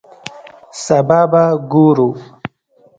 سبا به ګورو